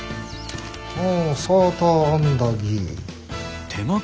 「サーターアンダギー」。